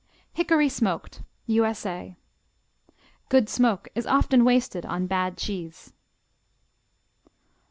Hickory Smoked U.S.A. Good smoke is often wasted on bad cheese.